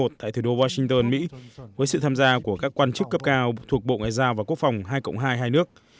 tại thủ đô washington mỹ với sự tham gia của các quan chức cấp cao thuộc bộ ngoại giao và quốc phòng hai cộng hai hai nước